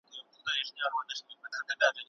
تلوار د خطا لاره ده